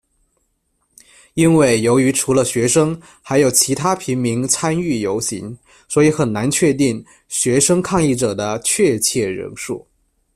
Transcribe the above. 因为由于除了学生，还有其他平民参与游行，所以很难确定学生抗议者的确切人数。